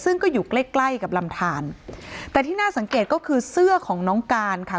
ซึ่งก็อยู่ใกล้ใกล้กับลำทานแต่ที่น่าสังเกตก็คือเสื้อของน้องการค่ะ